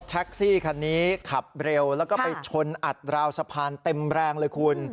แท็กซี่คันนี้ขับเร็วแล้วก็ไปชนอัดราวสะพานเต็มแรงเลยคุณ